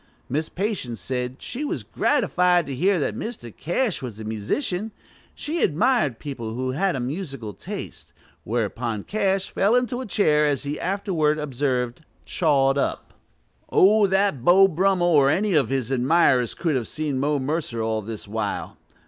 Miss Patience said she was gratified to hear that Mr. Cash was a musician; she admired people who had a musical taste. Whereupon Cash fell into a chair, as he afterward observed, "chawed up." Oh that Beau Brummel or any of his admirers could have seen Mo Mercer all this while!